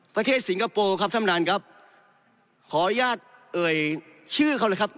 สิงคโปร์ครับท่านประธานครับขออนุญาตเอ่ยชื่อเขาเลยครับ